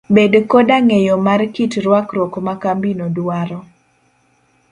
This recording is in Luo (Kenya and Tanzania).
Bed koda ng'eyo mar kit rwakruok ma kambino dwaro.